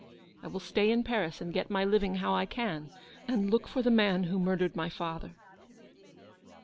I will stay in Paris, and get my living how I can, and look for the man who mur dered my father."